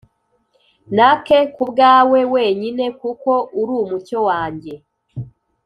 Nake kubwawe wenyine Kuko ur' umucyo wanjye